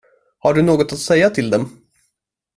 Har du något att säga till dem?